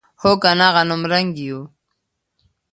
هو کنه غنمرنګي یو.